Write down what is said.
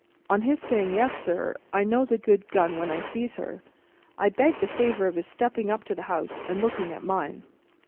On his saying, "Yes, sir, I knows a good gun when I sees her," I begged the favour of his stepping up to the house and looking at mine.